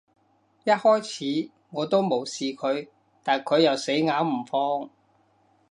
一開始，我都無視佢，但佢又死咬唔放